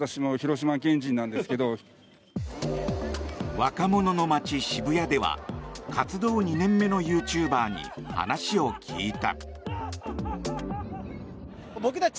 若者の街、渋谷では活動２年目のユーチューバーに話を聞いた。